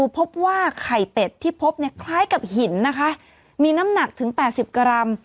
พบว่าไข่เป็ดที่พบเนี่ยคล้ายกับหินนะคะมีน้ำหนักถึง๘๐กรัม